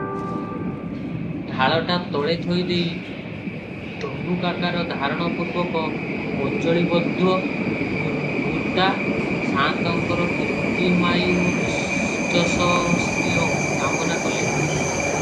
ଢାଳଟା ତଳେ ଥୋଇଦେଇ ଧନୁକାକାରଧାରଣ ପୂର୍ବକ 'ଅଞ୍ଜଳିବଧ୍ଵୋ ଭୂତ୍ଵା' ସାଆନ୍ତଙ୍କର 'କୀର୍ତ୍ତିମାୟୁର୍ଯଶଃଶ୍ରିୟଂ' କାମନା କଲେ ।